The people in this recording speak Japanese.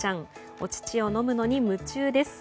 お乳を飲むのに夢中です。